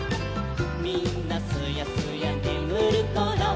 「みんなすやすやねむるころ」